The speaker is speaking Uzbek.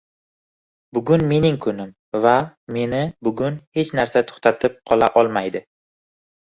Bugun mening kunim va meni bugun hech narsa to‘xtatib qola olmaydi!